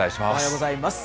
おはようございます。